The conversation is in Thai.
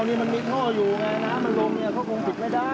อันนี้มันมีโค้งอยู่ไงนะครับมันลงนี่เขาคงปิดไม่ได้